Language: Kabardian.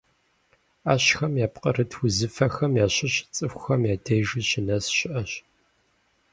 Ӏэщхэм япкъырыт узыфэхэм ящыщ цӀыхухэм я дежи щынэс щыӏэщ.